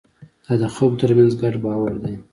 دا د خلکو ترمنځ ګډ باور دی.